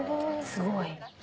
すごい。